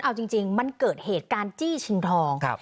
เอาจริงมันเกิดเหตุการณ์จี้ชิงทอง